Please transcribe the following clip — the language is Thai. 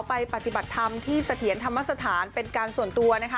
ไปปฏิบัติธรรมที่สะเทียนธรรมสถานเป็นการส่วนตัว